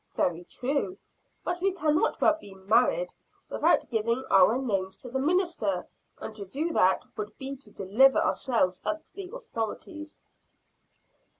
"Very true but we can not well be married without giving our names to the minister; and to do that, would be to deliver ourselves up to the authorities."